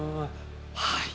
はい。